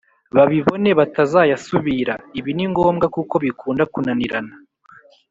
babibone batazayasubira, ibini ngombwa kuko bikunda kunanirana